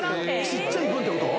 ちっちゃい分ってこと？